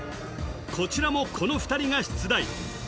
こちらもこの２人が出題